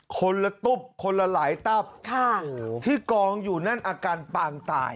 คนละตุ๊บคนละหลายตับที่กองอยู่นั่นอาการปางตาย